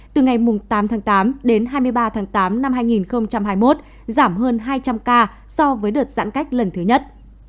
từ ngày tám tháng tám đến hai mươi ba tháng tám năm hai nghìn hai mươi một giảm hơn hai trăm linh ca so với đợt giãn cách lần thứ nhất